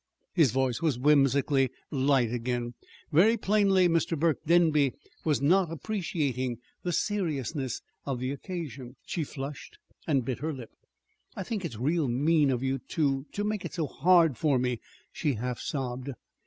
His voice was whimsically light again. Very plainly Mr. Burke Denby was not appreciating the seriousness of the occasion. She flushed and bit her lip. "I think it's real mean of you to to make it so hard for me!" she half sobbed.